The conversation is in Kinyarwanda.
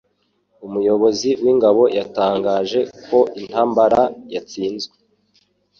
Umuyobozi w'ingabo yatangaje ko intambara yatsinzwe.